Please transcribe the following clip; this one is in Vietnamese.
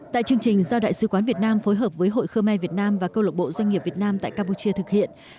tại chương trình do đại sứ quán việt nam phối hợp với hội khơ me việt nam và câu lộc bộ doanh nghiệp việt nam tại campuchia thực hiện